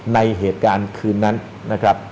ในเหตุการณ์คืนนั้นนะครับ